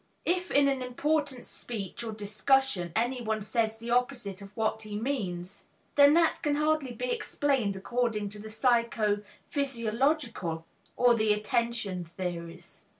If in an important speech or discussion anyone says the opposite of what he means, then that can hardly be explained according to the psycho physiological or the attention theories.